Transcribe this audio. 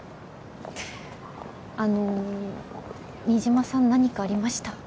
あの新島さん何かありました？